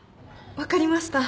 分かりました。